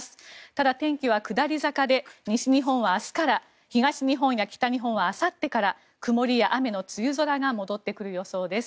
ただ、天気は下り坂で西日本は明日から東日本や北日本はあさってから曇りや雨の梅雨空が戻ってくる予想です。